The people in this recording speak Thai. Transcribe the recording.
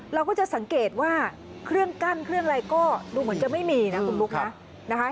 เราก็จะสังเกตว่าเครื่องกั้นเครื่องอะไรก็ดูเหมือนจะไม่มีนะคุณบุ๊คนะนะคะ